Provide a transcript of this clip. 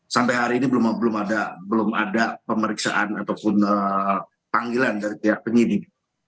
sampai hari ini belum ada pemeriksaan ataupun panggilan dari pihak penyidik